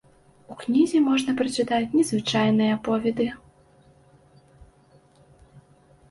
У кнізе можна прачытаць незвычайныя аповеды.